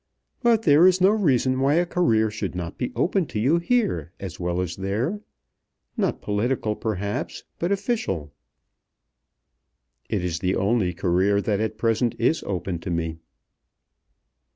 But there is no reason why a career should not be open to you here as well as there; not political perhaps, but official." "It is the only career that at present is open to me."